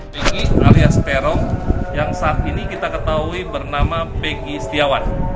beki alias peron yang saat ini kita ketahui bernama beki setiawan